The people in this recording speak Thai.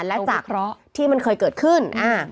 และจากที่มันเคยเกิดขึ้น